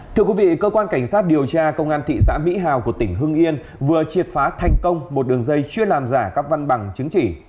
thưa quý vị cơ quan cảnh sát điều tra công an thị xã mỹ hào của tỉnh hưng yên vừa triệt phá thành công một đường dây chuyên làm giả các văn bằng chứng chỉ